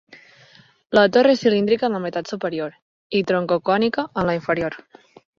La torre és cilíndrica en la meitat superior i tronco-cònica en la inferior.